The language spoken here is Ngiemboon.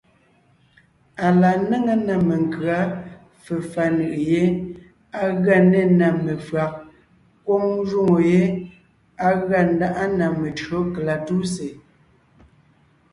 Á la néŋe ná menkʉ̌a, fefà nʉʼʉ yé, á gʉa nê na mefÿàg, kwóŋ jwóŋo yé á gʉa ńdáʼa na metÿǒ kalatúsè.